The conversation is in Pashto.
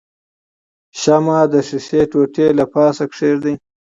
شمع د ښيښې ټوټې له پاسه کیږدئ.